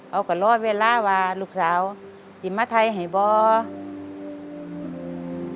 เอาก็รอเวลาว่าลูกสาวจะมาไทยให้บอก